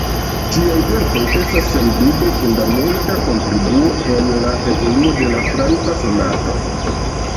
Tiaj verkoj estas sendube fundamenta kontribuo en la evoluo de la franca sonato.